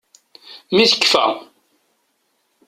Mi tekkfa.